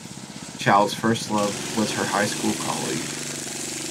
Chow's first love was her high school colleague.